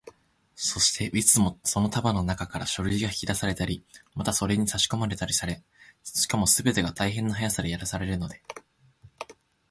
そして、いつでもその束のなかから書類が引き出されたり、またそれにさしこまれたりされ、しかもすべて大変な速さでやられるので、